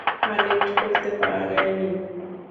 Connect করতে পারেনি।